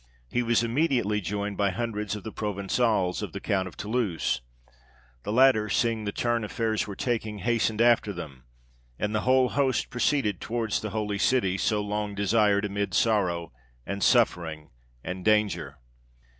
He was immediately joined by hundreds of the Provençals of the Count of Toulouse. The latter, seeing the turn affairs were taking, hastened after them, and the whole host proceeded towards the holy city, so long desired amid sorrow, and suffering, and danger.